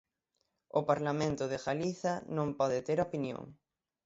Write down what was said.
O Parlamento de Galiza non pode ter opinión.